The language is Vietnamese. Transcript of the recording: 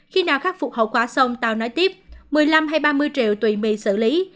khi nào khắc phục hậu quả xong tao nói tiếp một mươi năm ba mươi triệu tùy my xử lý